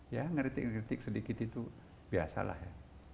ya ngertik ngertik sedikit itu biasalah ya